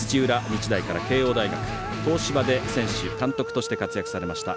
日大から慶応大学東芝で選手、監督として活躍されました